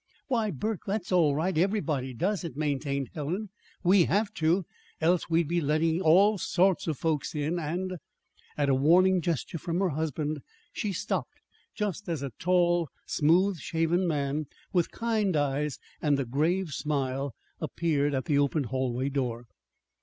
"Why, Burke, that's all right. Everybody does it," maintained Helen. "We have to, else we'd be letting all sorts of folks in, and " At a warning gesture from her husband she stopped just as a tall, smooth shaven man with kind eyes and a grave smile appeared at the open hallway door.